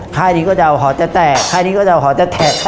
ค่ายนี้ก็จะเอาหอแต๊ะ